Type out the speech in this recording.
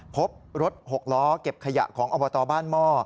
พบรถ๖ล้อเก็บขยะของอบตบ้านหม้อ